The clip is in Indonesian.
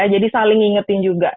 jadi saling ingetin juga